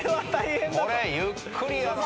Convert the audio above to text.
これゆっくりやな。